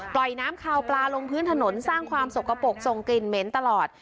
น้ำคาวปลาลงพื้นถนนสร้างความสกปรกส่งกลิ่นเหม็นตลอด